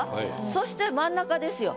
そして真ん中ですよ。